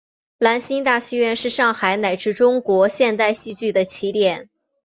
兰心大戏院是上海乃至中国现代戏剧的起点。